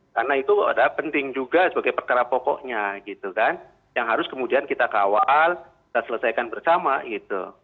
karena itu adalah penting juga sebagai perkara pokoknya gitu kan yang harus kemudian kita kawal kita selesaikan bersama gitu